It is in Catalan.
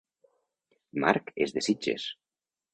Marc és de Sitges